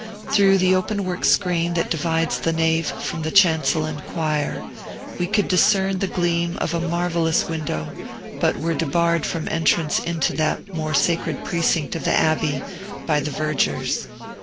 Through the open work screen that divides the nave from the chancel and choir, we could discern the gleam of a marvellous window, but were debarred from entrance into that more sacred precinct of the Abbey by the vergers.